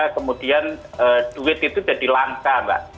kemudian duit itu jadi langka mbak